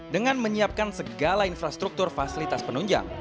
dengan menyiapkan segala infrastruktur fasilitas penunjang